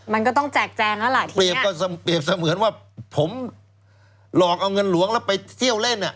มันก็ต้องแจกแจงแล้วล่ะที่เปรียบก็เปรียบเสมือนว่าผมหลอกเอาเงินหลวงแล้วไปเที่ยวเล่นอ่ะ